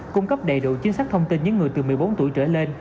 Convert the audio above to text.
cung cấp đầy đủ chính xác thông tin những người từ một mươi bốn tuổi trở lên